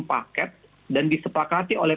paket dan disepakati oleh